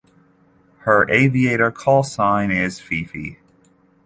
Her aviator call sign is "FiFi".